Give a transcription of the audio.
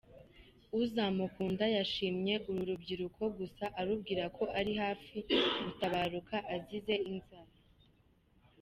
Uzamukunda yashimye uru rubyiruko gusa arubwira ko ari hafi gutabaruka azize inzara.